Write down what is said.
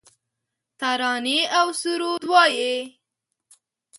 ترانې اوسرود وایې